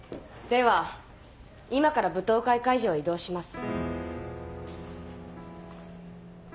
では今から舞踏会会場へ移動します。